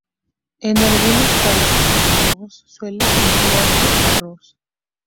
En algunos países eslavos suele emplearse arroz.